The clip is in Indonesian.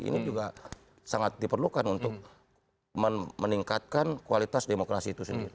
ini juga sangat diperlukan untuk meningkatkan kualitas demokrasi itu sendiri